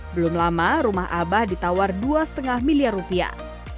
belum lama rumah abah ditawar dua lima miliar rupiah